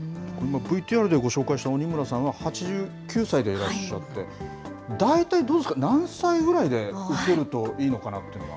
ＶＴＲでご紹介した鬼村さんは８９歳でいらっしゃって、大体どうですか、何歳ぐらいで受けるといいのかなっていうのは。